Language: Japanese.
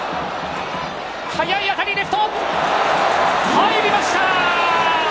入りました！